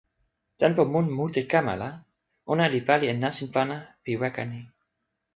tenpo mun mute kama la, ona li pali e nasin pana pi weka ni.